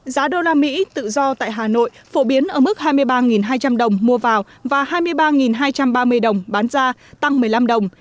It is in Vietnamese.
giá đô la mỹ tự do tại hà nội phổ biến ở mức hai mươi ba hai trăm linh đồng mua vào và hai mươi ba hai trăm ba mươi đồng bán ra tăng một mươi năm đồng